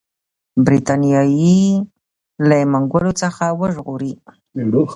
برټانیې له منګولو څخه وژغوري.